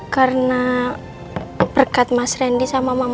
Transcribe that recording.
karena berkat mas randy sama mamanya mas randy